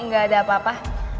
gak ada apa apa